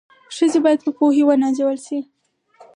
ښځي بايد په پوهي و نازول سي